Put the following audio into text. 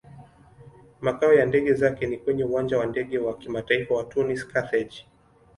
Makao ya ndege zake ni kwenye Uwanja wa Ndege wa Kimataifa wa Tunis-Carthage.